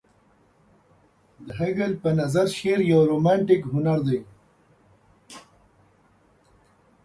د هګل په نظر شعر يو رومانتيک هنر دى.